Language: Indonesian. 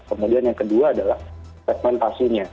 kemudian yang kedua adalah segmentasinya